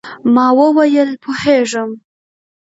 ما وویل، پوهېږم.